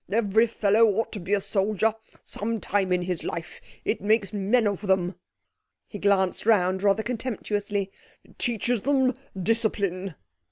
Every fellow ought to be a soldier some time in his life. It makes men of them ' he glanced round rather contemptuously 'it teaches them discipline.'